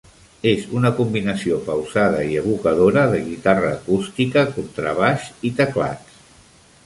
És una combinació pausada i evocadora de guitarra acústica, contrabaix i teclats.